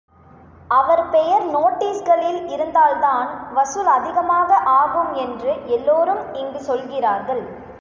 அவர் பெயர் நோடீஸ்களில் இருந்தால் தான் வசூலதிகமாக ஆகும் என்று எல்லோரும் இங்கு சொல்கிறார்கள்.